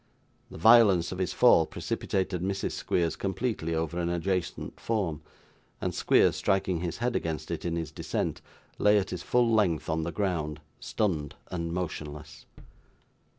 The violence of his fall precipitated Mrs. Squeers completely over an adjacent form; and Squeers striking his head against it in his descent, lay at his full length on the ground, stunned and motionless.